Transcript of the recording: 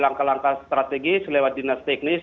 langkah langkah strategis lewat dinas teknis